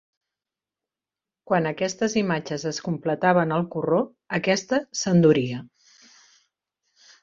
Quan aquestes imatges es completaven al corró, aquesta s'enduria.